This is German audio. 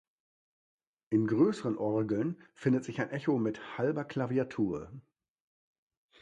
In größeren Orgeln findet sich ein Echo mit halber Klaviatur.